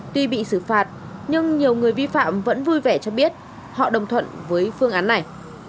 tuy bị xử phạt nhưng nhiều người vi phạm vẫn vui vẻ cho biết họ đồng thuận với phương án này